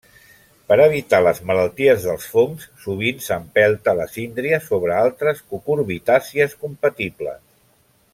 Per evitar les malalties dels fongs sovint s'empelta la síndria sobre altres cucurbitàcies compatibles.